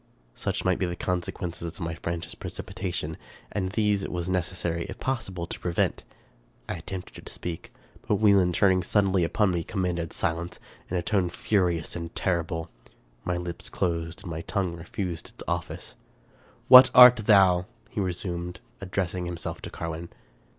Such might be the consequences of my frantic precipita tion, and these it was necessary, if possible, to prevent. I attempted to speak ; but Wieland, turning suddenly upon me, commanded silence, in a tone furious and terrible. My lips closed, and my tongue refused its office. " What art thou ?" he resumed, addressing himself to Carwin.